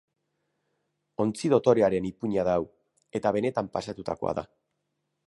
Ontzi dotorearen ipuina da hau, eta benetan pasatutakoa da.